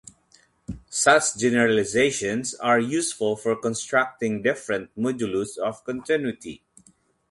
Such generalizations are useful for constructing different modulus of continuity.